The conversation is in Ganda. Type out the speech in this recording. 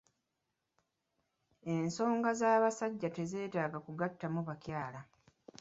Ensonga z'abasajja tezeetaaga kugattamu bakyala.